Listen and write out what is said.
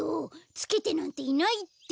つけてなんていないって！